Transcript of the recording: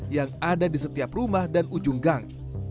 yang ada di setiap rumah dan ujung gang